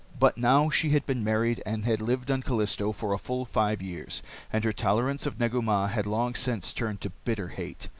But now she had been married, and had lived on Callisto, for a full five years, and her tolerance of Negu Mah had long since turned to bitter hate.